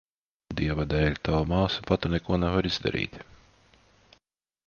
Dieva dēļ, tava māsa pati neko nevar izdarīt.